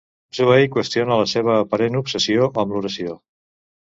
Zooey qüestiona la seva aparent obsessió amb l'oració.